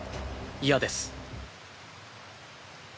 嫌です。